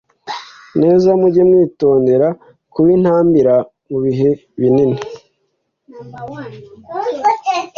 neza mujye mwitondera kubintambira mu bihe binini